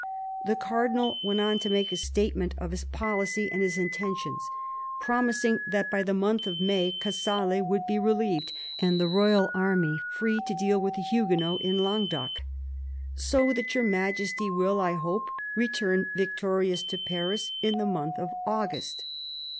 The Cardinal went on to make a statement of his policy and his inten tions, promising that by the month of May Casale would be relieved and the royal army free to deal with the Huguenots in Languedoc. " So that your Majesty will, I hope, return victorious to Paris in the month of August."